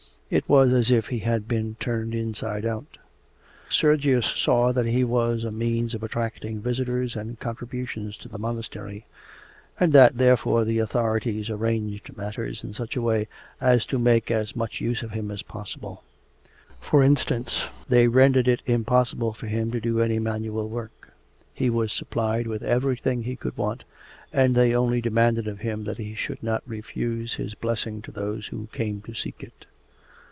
It was as if he had been turned inside out. Sergius saw that he was a means of attracting visitors and contributions to the monastery, and that therefore the authorities arranged matters in such a way as to make as much use of him as possible. For instance, they rendered it impossible for him to do any manual work. He was supplied with everything he could want, and they only demanded of him that he should not refuse his blessing to those who came to seek it.